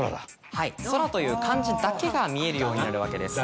はい「空」という漢字だけが見えるようになるわけです。